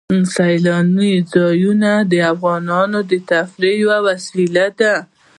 سیلانی ځایونه د افغانانو د تفریح یوه وسیله ده.